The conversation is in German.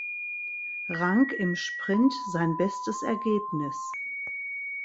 Rank im Sprint sein bestes Ergebnis.